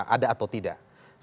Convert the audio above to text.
ada atau tidak